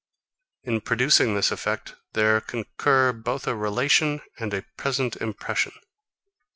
In producing this effect, there concur both a relation and a present impression.